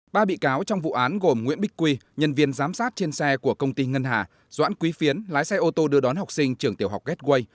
ba bị cáo trong vụ án gồm nguyễn bích quy nhân viên giám sát trên xe của công ty ngân hà doãn quý phiến lái xe ô tô đưa đón học sinh trường tiểu học gateway